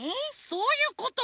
そういうこと！